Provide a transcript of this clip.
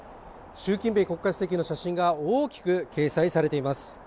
習近平国家主席の写真が大きく掲載されています。